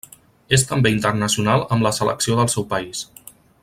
És també internacional amb la selecció del seu país.